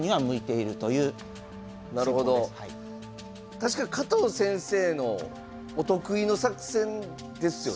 確か加藤先生のお得意の作戦ですよね。